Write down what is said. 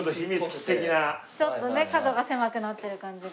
ちょっとね角が狭くなってる感じが。